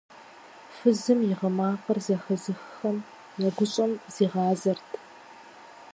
Фызым и гъы макъыр зэхэзыххэм я гущӀэм зигъазэрт.